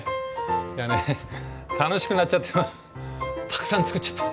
いやね楽しくなっちゃってたくさん作っちゃった。